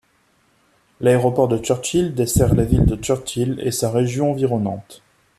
L'aéroport de Churchill dessert la ville de Churchill et sa région environnante.